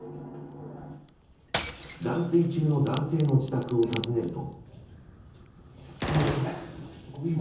断水中の男性の自宅を訪ねると。